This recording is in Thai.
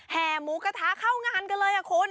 แห่หมูกระทะเข้างานกันเลยคุณ